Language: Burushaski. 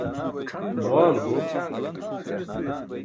muwaalu bo